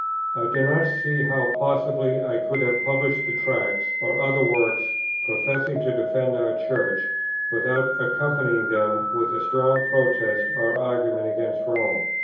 I do not see how possibly I could have published the Tracts, or other works professing to defend our Church, without accompanying them with a strong protest or argument against Rome.